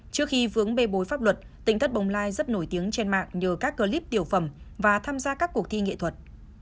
trước khi vướng bê bối pháp luật tính thất bồng lai rất nổi tiếng trên mạng nhờ các clip tiểu phẩm và tham gia các cuộc thi nghệ thuật